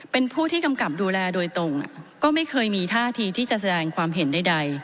เป็นผู้ที่กำกับดูแลโดยตรงก็ไม่เคยมีท่าทีที่จะแสดงความเห็นใด